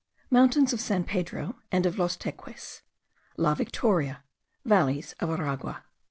MOUNTAINS OF SAN PEDRO AND OF LOS TEQUES. LA VICTORIA. VALLEYS OF ARAGUA.